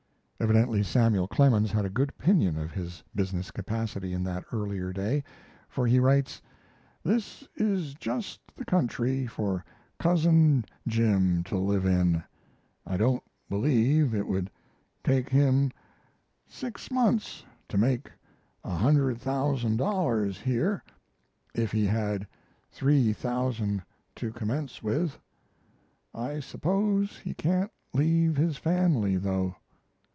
Evidently Samuel Clemens had a good opinion of his business capacity in that earlier day, for he writes: This is just the country for cousin Jim to live in. I don't believe it would take him six months to make $100,000 here if he had $3,000 to commence with. I suppose he can't leave his family, though.